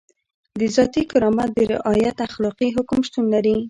د ذاتي کرامت د رعایت اخلاقي حکم شتون لري.